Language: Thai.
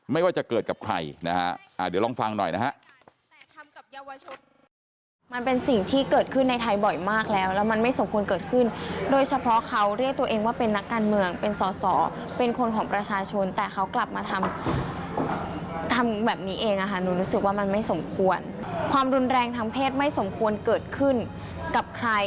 ไม่ว่าจะเกิดกับใครนะฮะเดี๋ยวลองฟังหน่อยนะฮะ